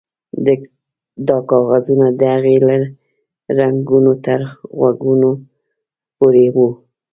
دا کاغذونه د هغې له زنګنو تر غوږونو پورې وو